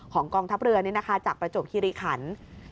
กองทัพเรือนี่นะคะจากประจวบคิริขัน